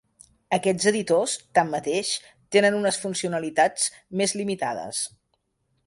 Aquests editors, tanmateix, tenen unes funcionalitats més limitades.